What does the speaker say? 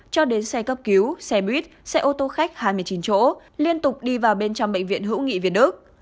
cho đến xe cấp cứu xe buýt xe ô tô khách hai mươi chín chỗ liên tục đi vào bên trong bệnh viện hữu nghị việt đức